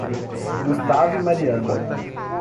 Gustavo e Mariana